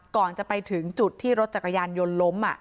ก่อนจะไปถึงจุดที่รถจักรยานยนต์ล้ม